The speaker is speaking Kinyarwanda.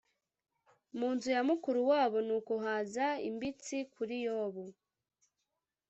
mu nzu ya mukuru wabo, nuko haza imbitsi kuri Yobu